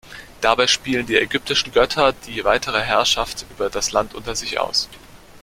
Dabei spielen die ägyptischen Götter die weitere Herrschaft über das Land unter sich aus.